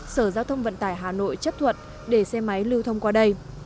sở giao thông vận tải hà nội chấp thuận để xe máy lưu thông qua đây